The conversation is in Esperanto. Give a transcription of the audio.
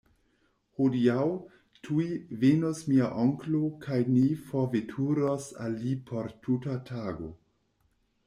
Hodiaŭ, tuj, venos mia onklo kaj ni forveturos al li por tuta tago.